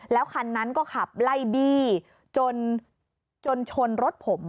แล้วคันนั้นก็ขับไล่บี้จนชนรถผม